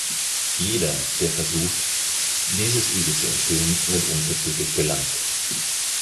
Jeder, der versucht, dieses Übel zu enthüllen, wird unverzüglich belangt.